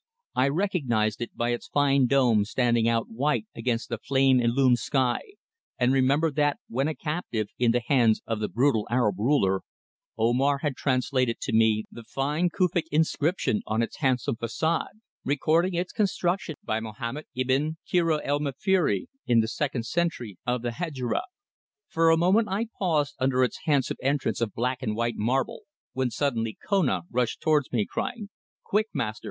I recognised it by its fine dome standing out white against the flame illumined sky, and remembered that when a captive in the hands of the brutal Arab ruler, Omar had translated to me the fine Kufic inscription on its handsome façade, recording its construction by Mohammed Ibn Kheiroun el Maäferi in the second century of the Hedjira. For a moment I paused under its handsome entrance of black and white marble, when suddenly Kona rushed towards me, crying: "Quick, Master!